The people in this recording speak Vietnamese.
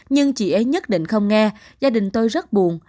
nhưng chị ấy nhất định không nghe gia đình tôi rất buồn